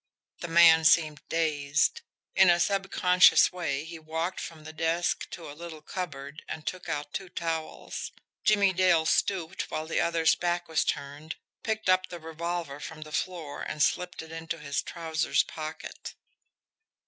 The man seemed dazed. In a subconscious way, he walked from the desk to a little cupboard, and took out two towels. Jimmie Dale stooped, while the other's back was turned, picked up the revolver from the floor, and slipped it into his trousers pocket.